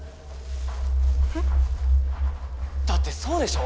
えっ？だってそうでしょ？